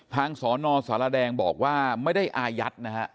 สนสารแดงบอกว่าไม่ได้อายัดนะฮะ